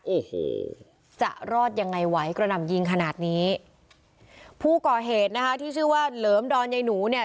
โอ้โหจะรอดยังไงไหวกระหน่ำยิงขนาดนี้ผู้ก่อเหตุนะคะที่ชื่อว่าเหลิมดอนใยหนูเนี่ย